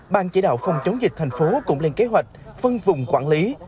ban chỉ đạo phòng chống dịch thành phố cũng lên kế hoạch phân vùng quản lý